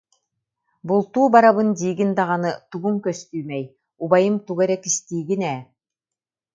Бултуу барабын диигин даҕаны тугуҥ көстүүмэй, убайым тугу эрэ кистиигин ээ